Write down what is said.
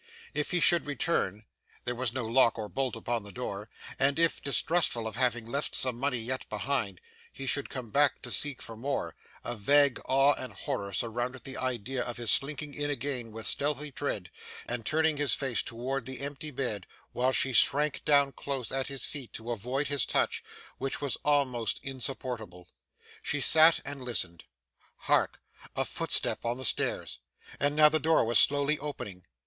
If he should return there was no lock or bolt upon the door, and if, distrustful of having left some money yet behind, he should come back to seek for more a vague awe and horror surrounded the idea of his slinking in again with stealthy tread, and turning his face toward the empty bed, while she shrank down close at his feet to avoid his touch, which was almost insupportable. She sat and listened. Hark! A footstep on the stairs, and now the door was slowly opening.